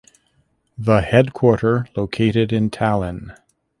The headquarter located in Tallinn.